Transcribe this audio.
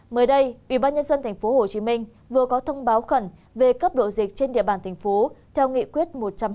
mới đây ủy ban nhân dân tp hcm vừa có thông báo khẩn về cấp độ dịch trên địa bàn tp hcm theo nghị quyết một trăm hai mươi tám